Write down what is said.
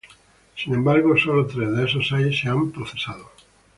Sin embargo, solo tres de esos seis han sido procesados.